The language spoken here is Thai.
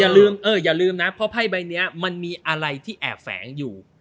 อย่าลืมนะเพราะไพ่ใบนี้มันมีอะไรที่แอบแฝงอยู่